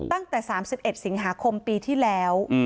ตั้งแต่๓๑สิงหาคมปีที่แล้ว